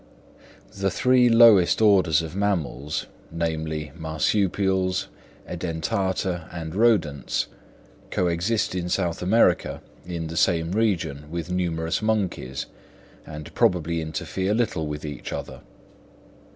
The three lowest orders of mammals, namely, marsupials, edentata, and rodents, co exist in South America in the same region with numerous monkeys, and probably interfere little with each other.